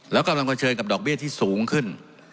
แล้วกำลังเผชิญกับดอกเบี้ยที่สูงขึ้น